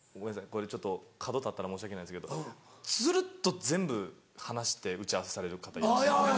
これちょっと角立ったら申し訳ないですけどツルっと全部話して打ち合わせされる方いらっしゃる。